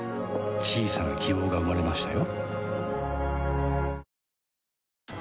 小さな希望が生まれましたよ